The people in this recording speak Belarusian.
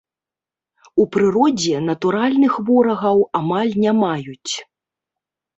У прыродзе натуральных ворагаў амаль не маюць.